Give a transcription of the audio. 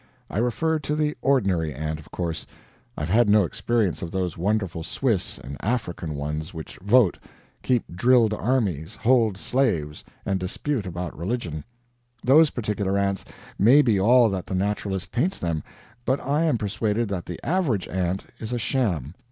I refer to the ordinary ant, of course; I have had no experience of those wonderful Swiss and African ones which vote, keep drilled armies, hold slaves, and dispute about religion. Those particular ants may be all that the naturalist paints them, but I am persuaded that the average ant is a sham.